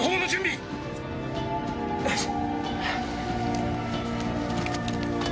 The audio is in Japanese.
よいしょ。